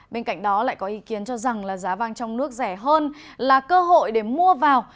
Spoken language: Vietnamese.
bên cạnh đó lại có ý kiến cho rằng giá vàng trong nước rẻ hơn là cơ hội để mua vào